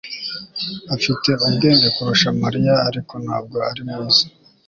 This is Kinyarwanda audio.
Afite ubwenge kurusha Mariya ariko ntabwo ari mwiza